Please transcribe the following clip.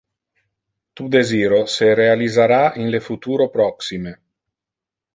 Tu desiro se realisara in le futuro proxime.